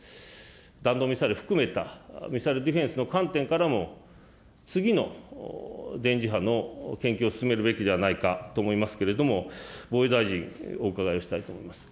弾道ミサイル含めた、ミサイルディフェンスの観点からも、次の電磁波の研究を進めるべきではないかと思いますけれども、防衛大臣、お伺いをしたいと思います。